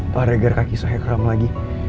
pak regar kaki sohek ram lagi